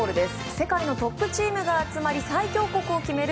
世界のトップチームが集まり最強国を決める